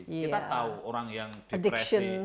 kita tahu orang yang depresi